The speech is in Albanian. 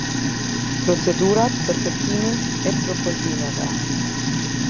Procedurat për Kërkimin e Propozimeve.